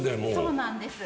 そうなんです。